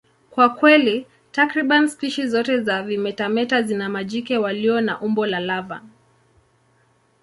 Kwa kweli, takriban spishi zote za vimetameta zina majike walio na umbo la lava.